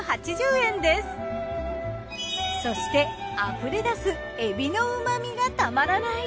そしてあふれだすエビの旨みがたまらない